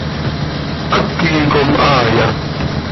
¿Háqui com haaya?